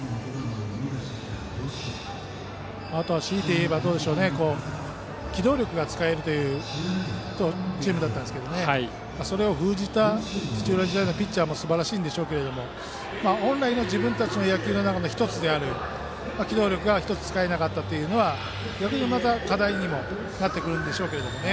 しいて言えば、機動力が使えるチームだったんですが上田西のそれを封じた土浦日大のピッチャーもすばらしいでしょうけど本来の自分たちの野球の１つである機動力が使えなかったというのは課題にもなってくるんでしょうね。